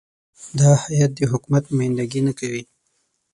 دا هیات د حکومت نمایندګي نه کوي.